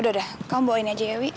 udah udah kamu bawa ini aja ya wi